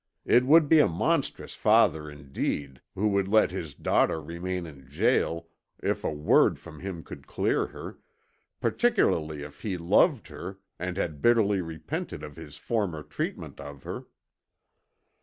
It would be a monstrous father, indeed, who would let his daughter remain in jail if a word from him could clear her, particularly if he loved her and had bitterly repented of his former treatment of her."